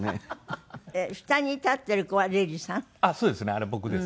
あれ僕ですね。